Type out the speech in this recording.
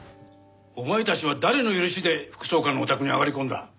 お前たちは誰の許しで副総監のお宅に上がり込んだ？